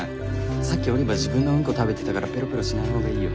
さっきオリバー自分のウンコ食べてたからペロペロしない方がいいよ。